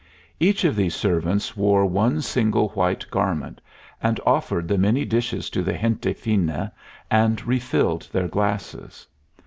Each of these servants wore one single white garment, and offered the many dishes to the gente fina and refilled their glasses.